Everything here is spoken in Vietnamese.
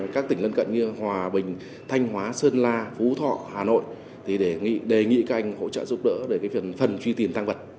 các tỉnh lân cận như hòa bình thanh hóa sơn la phú thọ hà nội thì đề nghị đề nghị các anh hỗ trợ giúp đỡ để phần truy tìm tăng vật